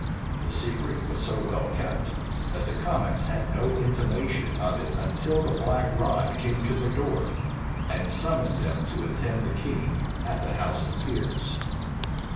The secret was so well kept, that the commons had no intimation of it till the black rod came to their door, and summoned them to attend the king at the house of peers.